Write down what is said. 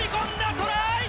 トライ！